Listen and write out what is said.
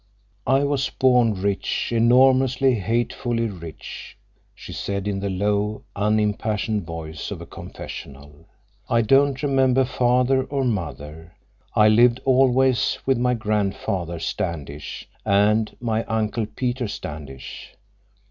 "I was born rich, enormously, hatefully rich," she said in the low, unimpassioned voice of a confessional. "I don't remember father or mother. I lived always with my Grandfather Standish and my Uncle Peter Standish.